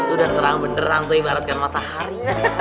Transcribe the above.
udah terang beneran tuh ibaratkan matahari